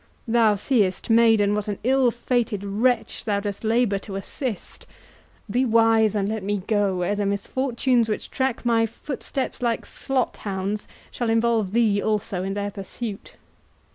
—Thou seest, maiden, what an ill fated wretch thou dost labour to assist; be wise, and let me go, ere the misfortunes which track my footsteps like slot hounds, shall involve thee also in their pursuit."